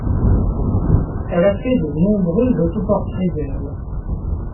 Elle a fait de nombreux auto-portraits d'elle.